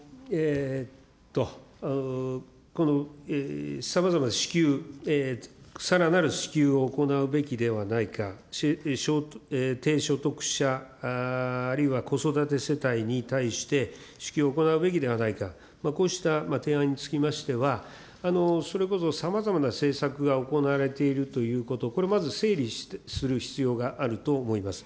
このさまざまな支給、さらなる支給を行うべきではないか、低所得者あるいは子育て世帯に対して、支給を行うべきではないか、こうした提案につきましては、それこそさまざまな政策が行われているということ、これまず整理する必要があると思います。